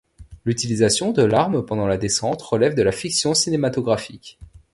L'utilisation de l'arme pendant la descente relève de la fiction cinématographique.